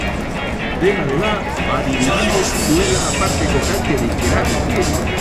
Dena dela, badirudi ez duela aparteko kalterik eragin.